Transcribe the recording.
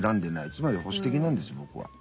つまり保守的なんです僕は。